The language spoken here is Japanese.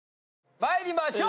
まいりましょう。